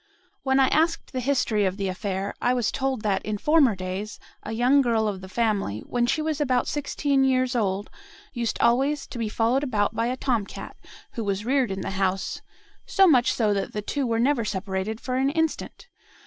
When I asked the history of the affair, I was told that, in former days, a young girl of the family, when she was about sixteen years old, used always to be followed about by a tom cat, who was reared in the house, so much so that the two were never separated for an instant.